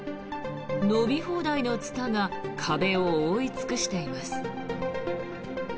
伸び放題のツタが壁を覆い尽くしています。